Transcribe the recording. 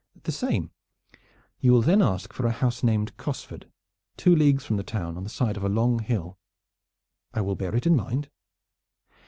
"The same. You will then ask for a house named Cosford, two leagues from the town on the side of a long hill." "I will bear it in mind."